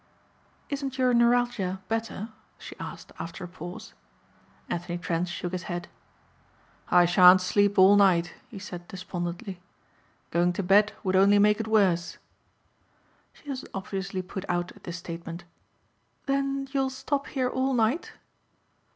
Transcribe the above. "Isn't your neuralgia better?" she asked after a pause. Anthony Trent shook his head. "I shan't sleep all night," he said despondently. "Going to bed would only make it worse." She was obviously put out at this statement. "Then you'll stop here all night?"